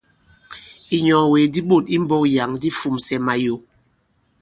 Ìnyɔ̀ŋwègè di ɓôt i mbɔ̄k yǎŋ di fūmsɛ mayo.